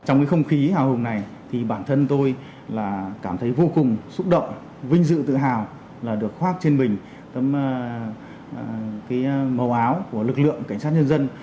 trong cái không khí hào hùng này thì bản thân tôi là cảm thấy vô cùng xúc động vinh dự tự hào là được khoác trên mình tấm cái màu áo của lực lượng cảnh sát nhân dân